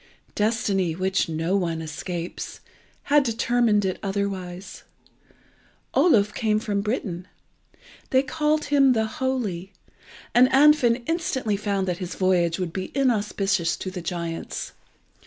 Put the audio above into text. Destiny, which no one escapes, had determined it otherwise. Oluf came from Britain. They called him the Holy, and Andfind instantly found that his voyage would be inauspicious to the giants.